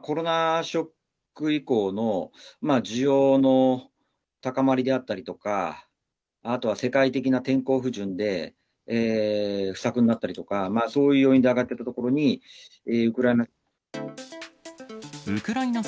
コロナショック以降の、需要の高まりであったりとか、あとは世界的な天候不順で不作になったりとか、そういう要因で上がっていたところに、ウクライナ。